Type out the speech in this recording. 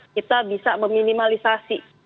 kita bisa meminimalisasi